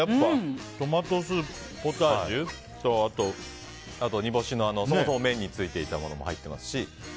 トマトポタージュと煮干しの麺についていたものも入っていますし。